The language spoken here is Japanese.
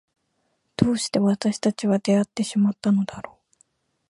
どうして私たちは出会ってしまったのだろう。